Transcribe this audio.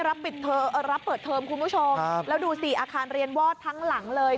ปิดเทอมรับเปิดเทอมคุณผู้ชมแล้วดูสิอาคารเรียนวอดทั้งหลังเลย